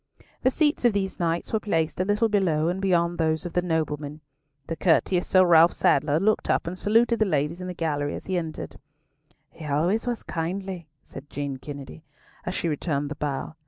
The seats of these knights were placed a little below and beyond those of the noblemen. The courteous Sir Ralf Sadler looked up and saluted the ladies in the gallery as he entered. "He was always kindly," said Jean Kennedy, as she returned the bow.